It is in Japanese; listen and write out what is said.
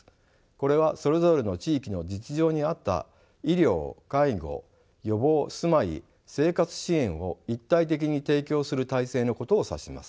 これはそれぞれの地域の実情に合った医療介護予防住まい生活支援を一体的に提供する体制のことを指します。